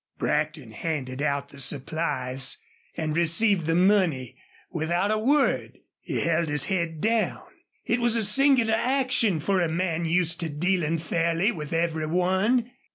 Brackton handed out the supplies and received the money, without a word. He held his head down. It was a singular action for a man used to dealing fairly with every one.